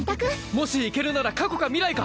もし行けるなら過去か未来か。